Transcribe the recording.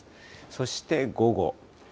そして午後。